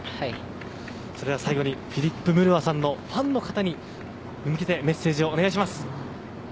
それでは最後にフィリップ・ムルワさんのファンの方に向けてメッセージをお願いします。